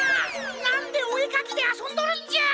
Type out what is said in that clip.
なんでおえかきであそんどるんじゃ！